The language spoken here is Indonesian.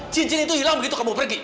cincin itu hilang begitu kamu pergi